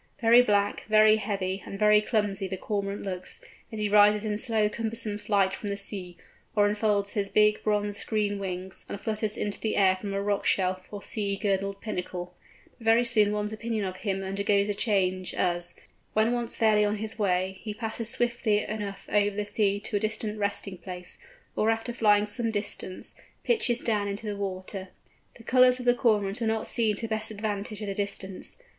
Very black, very heavy, and very clumsy the Cormorant looks, as he rises in slow cumbersome flight from the sea, or unfolds his big, bronzed green wings, and flutters into the air from a rock shelf, or sea girdled pinnacle; but very soon one's opinion of him undergoes a change, as, when once fairly on his way, he passes swiftly enough over the sea to a distant resting place, or after flying some distance, pitches down into the water. The colours of the Cormorant are not seen to best advantage at a distance.